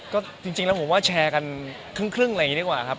ก็จริงหรือผมว่าแชร์กันครึ่งอะไรดีกว่าครับ